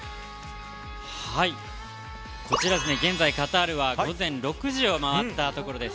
こちら、現在カタールは午前６時を回ったところです。